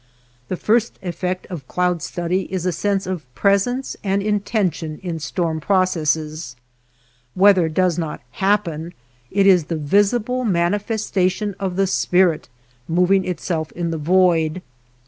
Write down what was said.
The first effect of cloud study is a sense of presence and intention in storm pro 246 NURSLINGS OF THE SKY cesses. Weather does not happen. It is Jhe visible manifestation of the Spirit mov ing itself in the void.